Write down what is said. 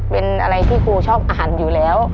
เป็นอะไรที่ครูชอบอาหารอยู่แล้ว